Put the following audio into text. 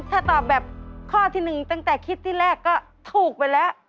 ถ้าตอบแบบข้อที่๑ตั้งแต่คิดที่แรกก็ถูกไปแล้ว